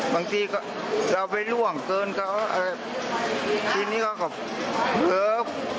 บางทีก็เราไปล่วงเกินเขาอะไรทีนี้เขาก็เออ